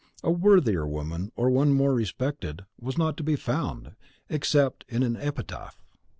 A worthier woman, or one more respected, was not to be found, except in an epitaph!